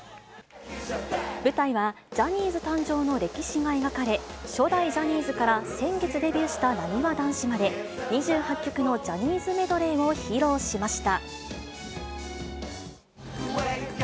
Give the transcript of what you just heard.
舞台は、ジャニーズ誕生の歴史が描かれ、初代ジャニーズから先月デビューしたなにわ男子まで、２８曲のジャニーズメドレーを披露しました。